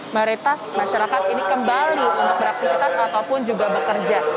mayoritas masyarakat ini kembali untuk beraktivitas ataupun juga bekerja